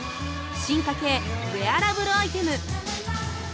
進化系ウェアラブルアイテム。